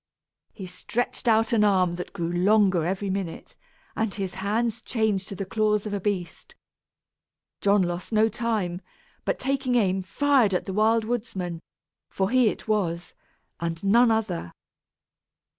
He stretched out an arm that grew longer every minute, and his hands changed to the claws of a beast. John lost no time, but taking aim fired at the Wild Woodsman, for he it was, and none other.